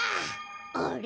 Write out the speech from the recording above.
あれ？